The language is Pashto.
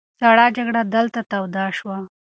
سړه جګړه دلته توده شوه.